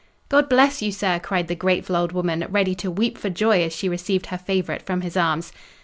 "God bless you, sir!" cried the grateful old woman, ready to weep for joy as she received her favourite from his arms.